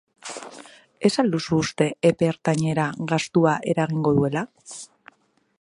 Ez al duzu uste epe ertainera gastua eragingo duela?